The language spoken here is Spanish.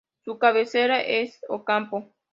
Su cabecera es Ocampo.